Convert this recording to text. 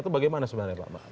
atau bagaimana sebenarnya pak